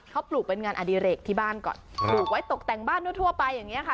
เขาปลูกเป็นงานอดิเรกที่บ้านก่อนปลูกไว้ตกแต่งบ้านทั่วไปอย่างนี้ค่ะ